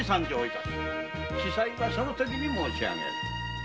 仔細はその時に申し上げる。